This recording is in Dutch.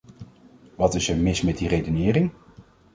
Wat is er mis met die redenering?